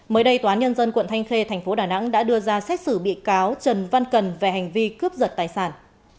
mới đây tòa án nhân dân quận thanh khê thành phố đà nẵng đã đưa ra xét xử bị cáo trần văn cần về hành vi cướp giật tài sản